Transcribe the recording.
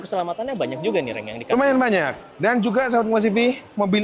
keselamatannya banyak juga nih yang dikasihthat pierwsini itukan dengan banyak dan juga smart compas tv mobil